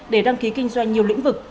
để đăng ký kinh doanh nhiều lĩnh vực